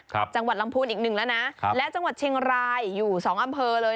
จังหวัดลำพูนอีกหนึ่งแล้วนะครับและจังหวัดเชียงรายอยู่สองอำเภอเลย